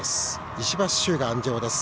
石橋脩が鞍上です。